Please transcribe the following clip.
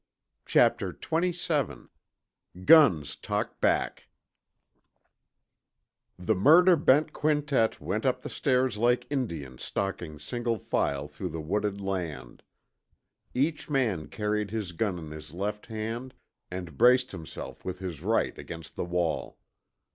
Chapter XXVII GUNS TALK BACK The murder bent quintet went up the stairs like Indians stalking single file through wooded land. Each man carried his gun in his left hand and braced himself with his right against the wall.